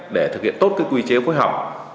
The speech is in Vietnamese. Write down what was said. để thực hiện tốt cái quy chế phối hợp